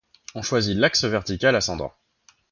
On choisit l'axe vertical ascendant.